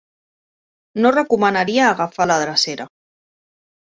No recomanaria agafar la drecera.